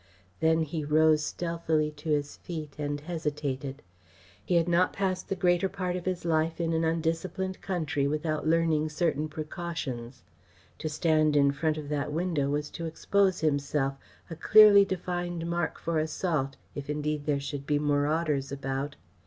Then he rose stealthily to his feet and hesitated. He had not passed the greater part of his life in an undisciplined country without learning certain precautions. To stand in front of that window was to expose himself, a clearly defined mark for assault, if indeed there should be marauders about.